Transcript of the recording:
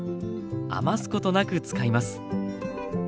余すことなく使います。